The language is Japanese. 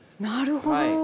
なるほど！